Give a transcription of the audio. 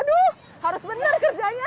oh harus bener kerjanya